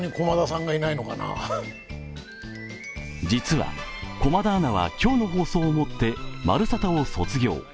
実は、駒田アナは今日の放送をもって「まるサタ」を卒業。